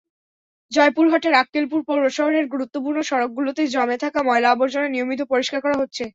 জয়পুরহাটের আক্কেলপুর পৌর শহরের গুরুত্বপূর্ণ সড়কগুলোতে জমে থাকা ময়লা-আবর্জনা নিয়মিত পরিষ্কার করা হচ্ছে।